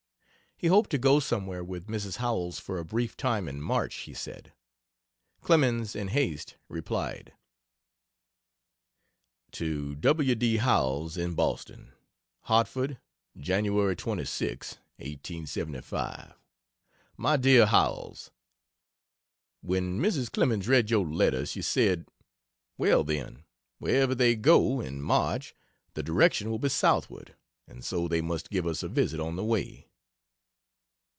He hoped to go somewhere with Mrs. Howells for a brief time in March, he said. Clemens, in haste, replied: \ To W. D. Howells, in Boston: HARTFORD, Jan. 26, 1875. MY DEAR HOWELLS, When Mrs. Clemens read your letter she said: "Well, then, wherever they go, in March, the direction will be southward and so they must give us a visit on the way."